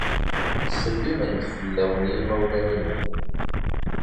Ttselimen-d fell-awen yimawlan-inu.